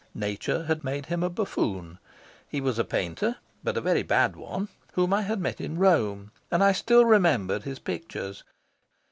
Nature had made him a buffoon. He was a painter, but a very bad one, whom I had met in Rome, and I still remembered his pictures.